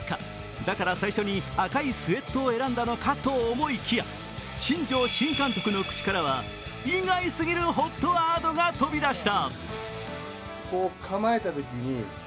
だから最初に赤いスエットを選んだのかと思いきや、新庄新監督の口から意外すぎるＨＯＴワードが飛び出した。